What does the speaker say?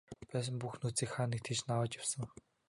Байсан бүх нөөцийг хаа нэг тийш нь аваад явсан.